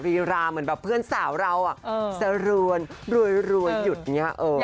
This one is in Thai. รีราเหมือนแบบเพื่อนสาวเราสรวนรวยหยุดอย่างนี้